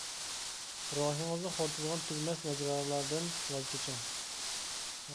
روھىڭىزنى خورىتىدىغان تۈگىمەس ماجىرالاردىن ۋاز كېچىڭ.